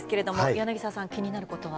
柳澤さん気になることは？